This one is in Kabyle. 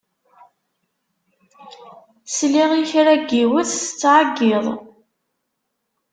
Sliɣ i kra n yiwet tettɛeyyiḍ.